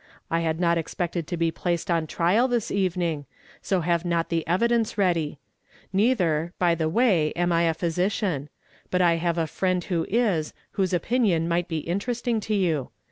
I had not expected to be placed on trial this evening, so have not the evidence ready. Neither, by the way, am I a physician ; but I have a friend Avho is, whose opinion niiglit be interesting to you.